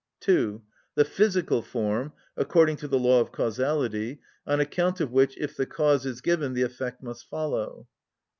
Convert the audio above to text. (2.) The physical form, according to the law of causality; on account of which, if the cause is given, the effect must follow.